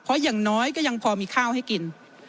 เพราะอย่างน้อยก็ยังพอมีข้าวให้กิน